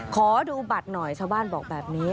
ขอดูบัตรหน่อยชาวบ้านบอกแบบนี้